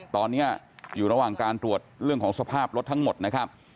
ตอนนี้อยู่ระหว่างการตรวจเรื่องของสภาพรถทั้งหมดนะครับ